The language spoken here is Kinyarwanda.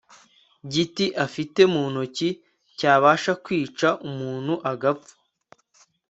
giti afite mu ntoki cyabasha kwica umuntu agapfa